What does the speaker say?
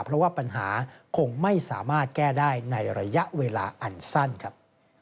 เพราะว่าปัญหาคงไม่สามารถแก้ได้ในระยะเวลาอันสั้นครับ